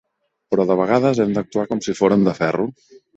Però de vegades hem d'actuar com si fórem de ferro.